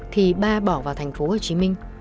thì ba bỏ vào thành phố hồ chí minh